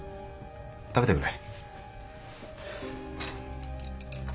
食べてくれ。